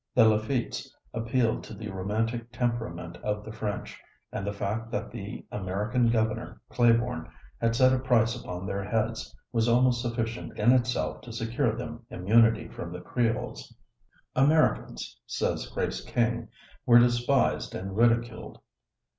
The Lafittes appealed to the romantic temperament of the French, and the fact that the American governor, Claiborne, had set a price upon their heads was almost sufficient in itself to secure them immunity from the Creoles. "Americans," says Grace King, "were despised and ridiculed."